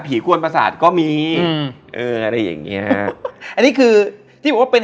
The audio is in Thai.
กวนประสาทก็มีอืมเอออะไรอย่างเงี้ฮะอันนี้คือที่บอกว่าเป็น